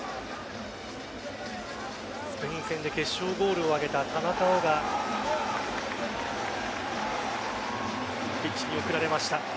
スペイン戦で決勝ゴールを挙げた田中碧がピッチに送られました。